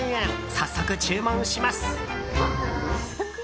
早速、注文します。